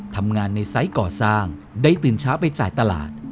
ทำงานในไซส์ก่อสร้างได้ตื่นเช้าไปจ่ายตลาด